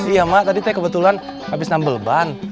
iya mak tadi saya kebetulan habis nambel ban